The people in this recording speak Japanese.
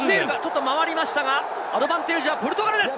ちょっと回りましたが、アドバンテージはポルトガルです。